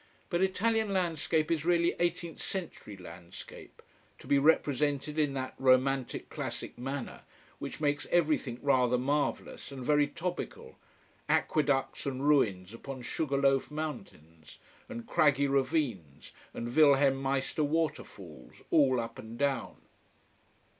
But Italian landscape is really eighteenth century landscape, to be represented in that romantic classic manner which makes everything rather marvelous and very topical: aqueducts, and ruins upon sugar loaf mountains, and craggy ravines and Wilhelm Meister water falls: all up and down.